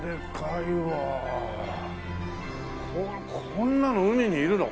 こんなの海にいるの？